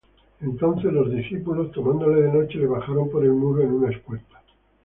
Entonces los discípulos, tomándole de noche, le bajaron por el muro en una espuerta.